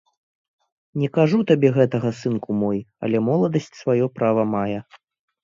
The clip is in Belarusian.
Не кажу табе гэтага, сынку мой, але моладасць сваё права мае.